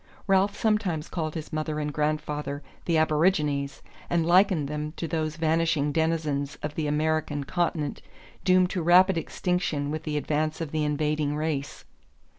Ralph sometimes called his mother and grandfather the Aborigines, and likened them to those vanishing denizens of the American continent doomed to rapid extinction with the advance of the invading race.